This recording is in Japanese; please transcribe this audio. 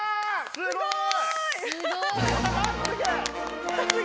すごい！